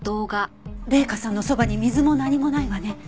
麗華さんのそばに水も何もないわね。